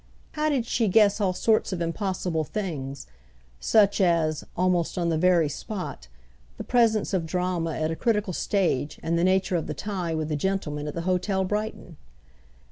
How did she guess all sorts of impossible things, such as, almost on the very spot, the presence of drama at a critical stage and the nature of the tie with the gentleman at the Hôtel Brighton?